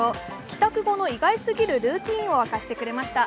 帰宅後の意外すぎるルーチンを明かしてくれました。